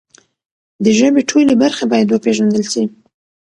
د ژبې ټولې برخې باید وپیژندل سي.